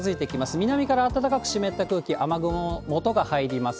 南から暖かく湿った空気、雨雲のもとが入ります。